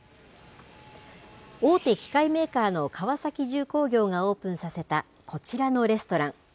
大手機械メーカーの川崎重工業がオープンさせたこちらのレストラン。